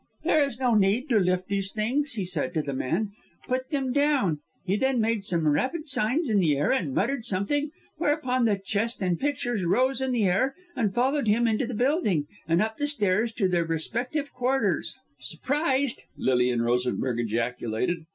"'There is no need to lift these things,' he said to the men, 'put them down.' He then made some rapid signs in the air and muttered something; whereupon the chest and pictures rose in the air, and followed him into the building, and up the stairs to their respective quarters." "The men must have been surprised," Shiel said. "Surprised!" Lilian Rosenberg ejaculated.